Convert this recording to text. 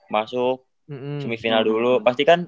masuk semifinal dulu pasti kan